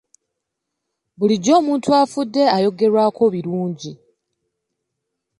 Bulijjo omuntu afudde ayogerwako birungi.